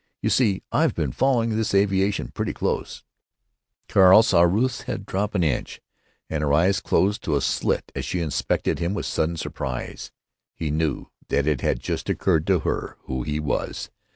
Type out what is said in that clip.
You see, I've been following this aviation pretty closely." Carl saw Ruth's head drop an inch, and her eyes close to a slit as she inspected him with sudden surprise. He knew that it had just occurred to her who he was.